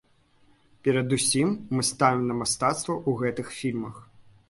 Перадусім мы ставім на мастацтва ў гэтых фільмах.